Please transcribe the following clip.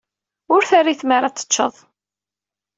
Ur terri tmara ad t-tecced.